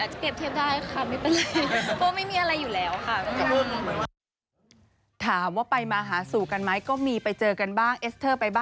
อาจจะเตรียมเทพได้ค่ะไม่เป็นไร